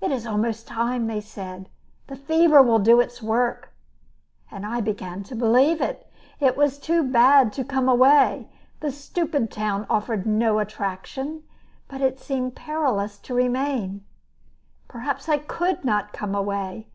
"It is almost time," they said; "the fever will do its work," and I began to believe it. It was too bad to come away; the stupid town offered no attraction; but it seemed perilous to remain. Perhaps I could not come away.